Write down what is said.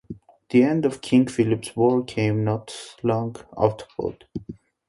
The end of King Philip's War came not long afterward.